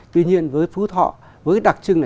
tuy nhiên với phú thọ với đặc trưng là